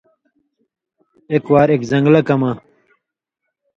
اېک وار اوک اېک زنگلہ کہ مہ